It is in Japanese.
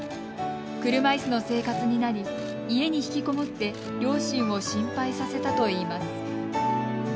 車いすの生活になり家に引きこもって両親を心配させたといいます。